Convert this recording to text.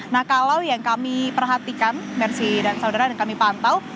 nah kalau yang kami perhatikan mercy dan saudara dan kami pantau